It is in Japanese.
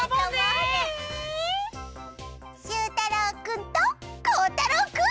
しゅうたろうくんとこうたろうくん。